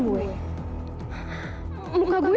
jangan jangan yang dimaksud orang itu gue